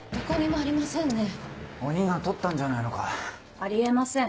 あり得ません